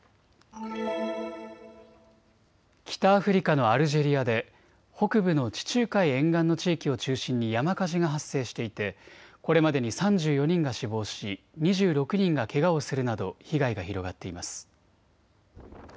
北アフリカのアルジェリアで北部の地中海沿岸の地域を中心に山火事が発生していてこれまでに３４人が死亡し、２６人がけがをするなど被害が広がっています。